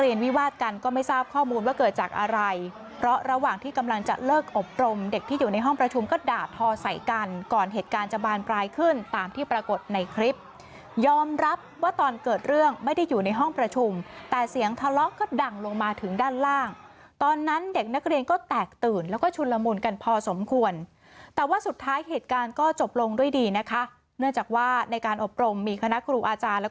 อยู่ในห้องประชุมก็ด่าพอใส่กันก่อนเหตุการณ์จะบานปลายขึ้นตามที่ปรากฏในคลิปยอมรับว่าตอนเกิดเรื่องไม่ได้อยู่ในห้องประชุมแต่เสียงทะเลาะก็ดั่งลงมาถึงด้านล่างตอนนั้นเด็กนักเรียนก็แตกตื่นแล้วก็ชุนละมุนกันพอสมควรแต่ว่าสุดท้ายเหตุการณ์ก็จบลงด้วยดีนะคะเนื่องจากว่าในการอบรมมีคณะครูอ